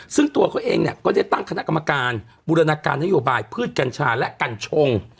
ซึ่งตัวเขาเองเนี่ยก็ได้ตั้งคณะกรรมการบูรณาการนโยบายพืชกัญชาและกัญชง